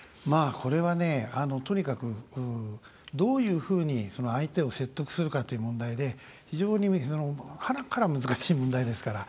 これはね、とにかくどういうふうに相手を説得するかという問題で非常にはなから難しい問題ですから。